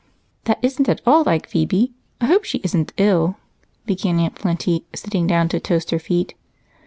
"That isn't at all like Phebe I hope she isn't ill," began Aunt Plenty, sitting down to toast her feet.